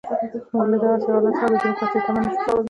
موږ له دغسې حالت څخه د ډیموکراسۍ تمه نه شو کولای.